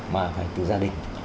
mà phải từ gia đình